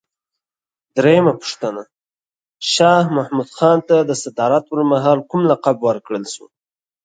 درېمه پوښتنه: شاه محمود خان ته د صدارت پر مهال کوم لقب ورکړل شو؟